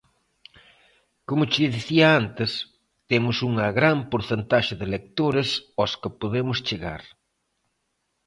Como che dicía antes, temos unha gran porcentaxe de lectores aos que podemos chegar.